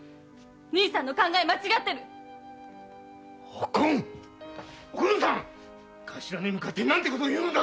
兄さんの考え間違ってるお紺頭に向かって何て事を言うよ